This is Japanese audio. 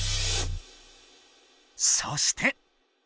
そして。